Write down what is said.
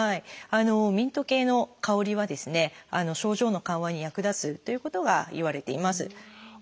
ミント系の香りはですね症状の緩和に役立つということがいわれています。